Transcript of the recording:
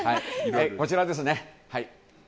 こちらですね。